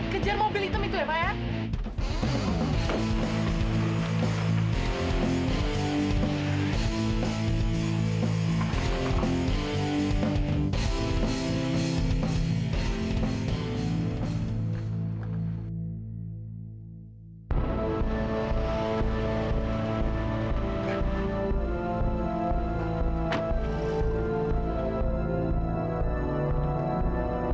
kejar mobil hitam itu ya pak ya